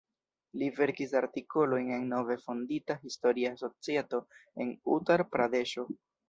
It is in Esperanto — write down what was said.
Li verkis artikolojn en nove fondita Historia Societo en Utar-Pradeŝo.